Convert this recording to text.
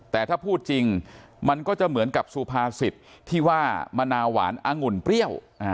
แต่ถ้าพูดจริงมันก็จะเหมือนกับสุภาษิตที่ว่ามะนาวหวานองุ่นเปรี้ยว